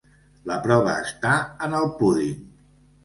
La prova està en el púding.